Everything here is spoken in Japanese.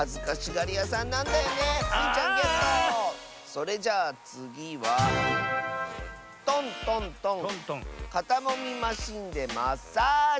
それじゃあつぎは「とんとんとんかたもみマシンでマッサージ」。